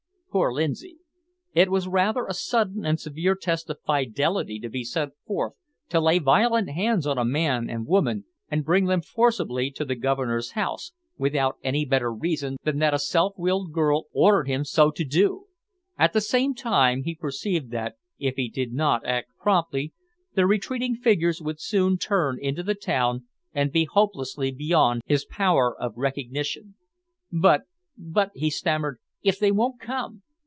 Poor Lindsay! It was rather a sudden and severe test of fidelity to be sent forth to lay violent hands on a man and woman and bring them forcibly to the Governor's house, without any better reason than that a self willed girl ordered him so to do; at the same time, he perceived that, if he did not act promptly, the retreating figures would soon turn into the town, and be hopelessly beyond his power of recognition. "But but " he stammered, "if they won't come